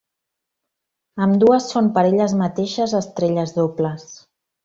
Ambdues són per elles mateixes estrelles dobles.